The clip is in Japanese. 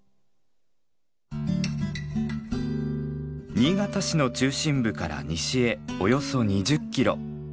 新潟市の中心部から西へおよそ２０キロ。